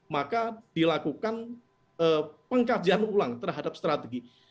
maka dilakukan pengkajian ulang terhadap strategi